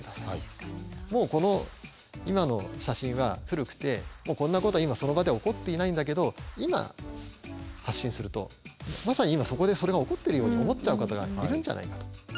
もうこの今の写真は古くてこんなこと今その場で起こっていないんだけど今発信するとまさに今そこでそれが起こってるように思っちゃう方がいるんじゃないかと。